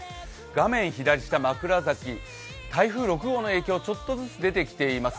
画面左下、枕崎、台風６号の影響、ちょっとずつ出てきています